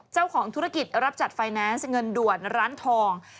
เจ้าของธุรกิจรับจัดไฟแนนซ์เงินด่วนร้านทอง